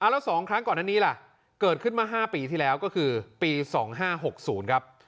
แล้ว๒ครั้งก่อนอันนี้ล่ะเกิดขึ้นมา๕ปีที่แล้วก็คือปี๒๕๖๐ครับ